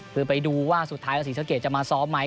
คือไปดูสุดท้ายว่าศรีศักยศจะมาซ้อมไหม